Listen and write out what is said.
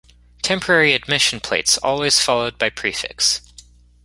Temporary admission plates always followed by prefix.